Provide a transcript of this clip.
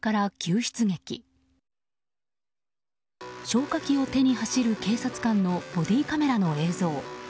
消火器を手に走る警察官のボディーカメラの映像。